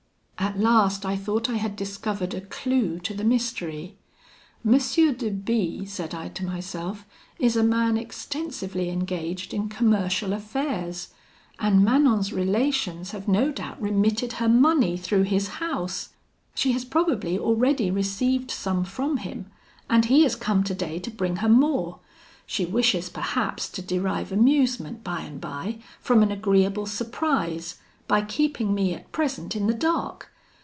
"At last I thought I had discovered a clue to the mystery. 'M. de B ' said I to myself, 'is a man extensively engaged in commercial affairs; and Manon's relations have no doubt remitted her money through his house. She has probably already received some from him, and he is come today to bring her more. She wishes, perhaps, to derive amusement by and by, from an agreeable surprise, by keeping me at present in the dark.